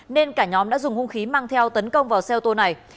nên cả nhóm đã dùng hung khí mang theo tấn công vào xe ô tô này